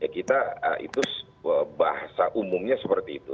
kita itu bahasa umumnya seperti itu